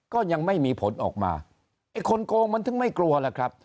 ก็ยังไม่มีผลออกมาไอ้คนโกงมันถึงไม่กลัวล่ะครับ